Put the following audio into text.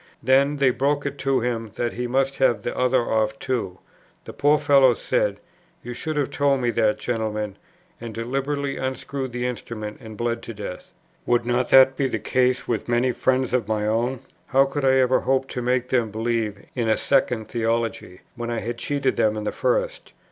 Then, they broke it to him that he must have the other off too. The poor fellow said, "You should have told me that, gentlemen," and deliberately unscrewed the instrument and bled to death. Would not that be the case with many friends of my own? How could I ever hope to make them believe in a second theology, when I had cheated them in the first?